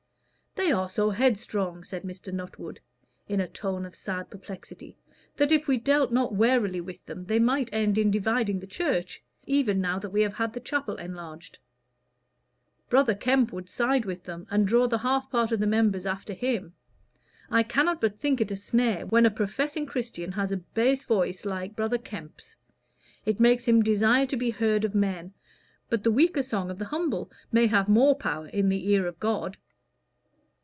"They are so headstrong," said Mr. Nuttwood, in a tone of sad perplexity, "that if we dealt not warily with them they might end in dividing the church, even now that we have had the chapel enlarged. Brother Kemp would side with them, and draw the half part of the members after him. I cannot but think it a snare when a professing Christian has a bass voice like Brother Kemp's. It makes him desire to be heard of men; but the weaker song of the humble may have more power in the ear of God."